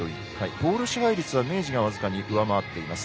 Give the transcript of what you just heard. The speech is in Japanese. ボール支配率は明治が僅かに上回っています。